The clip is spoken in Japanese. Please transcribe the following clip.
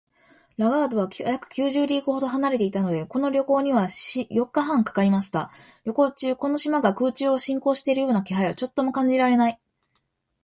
ラガードは約九十リーグほど離れていたので、この旅行には四日半かかりました。旅行中、この島が空中を進行しているような気配はちょっとも感じられない